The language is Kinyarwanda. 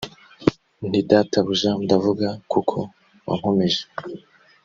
nti databuja ndavuga kuko wankomeje